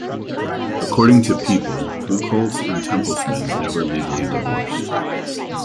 According to "People", Bucholz and Tempelsman never legally divorced.